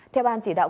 theo bàn chỉ đạo